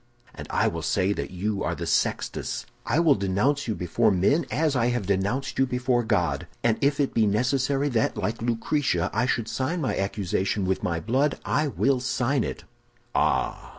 "'And I will say that you are the Sextus. I will denounce you before men, as I have denounced you before God; and if it be necessary that, like Lucretia, I should sign my accusation with my blood, I will sign it.' "'Ah!